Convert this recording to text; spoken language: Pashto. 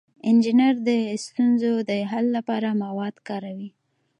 انجینر د ستونزو د حل لپاره مواد کاروي.